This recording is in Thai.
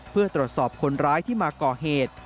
เพื่อตรวจสอบคนร้ายที่มาก่อเหตุ